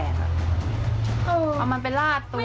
เอามันไปลาดตัว